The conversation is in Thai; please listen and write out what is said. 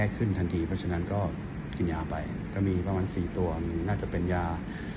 เพราะฉะนั้นก็กินยาไปก็มีประมาณ๔ตัวน่าจะเป็นยา